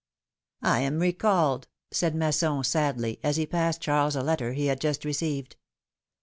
AM recalled!'' said Masson, sadly, as he passed L Charles a letter he had just received.